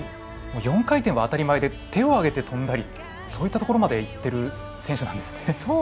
４回転は当たり前で手を上げて跳んだりそういったところまでいってる選手なんですね。